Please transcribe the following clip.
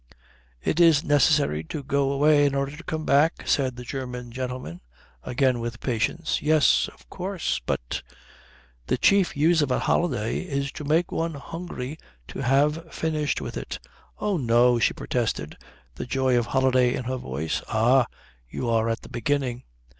"It is necessary to go away in order to come back," said the German gentleman, again with patience. "Yes. Of course. But " "The chief use of a holiday is to make one hungry to have finished with it." "Oh no," she protested, the joy of holiday in her voice. "Ah. You are at the beginning."